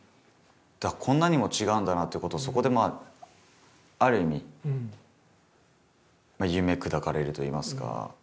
こんなにも違うんだなということをそこでまあある意味夢砕かれるといいますか。